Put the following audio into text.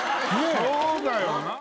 そうだよな。